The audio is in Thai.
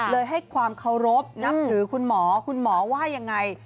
ให้ความเคารพนับถือคุณหมอคุณหมอว่ายังไง